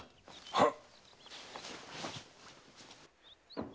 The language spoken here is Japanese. はっ！